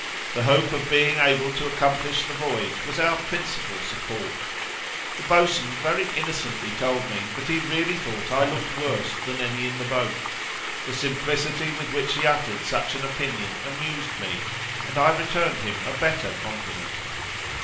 The hope of being able to accomplish the voyage was our principal support. The boatswain very innocently told me that he really thought I looked worse than any in the boat. The simplicity with which he uttered such an opinion amused me, and I returned him a better compliment.'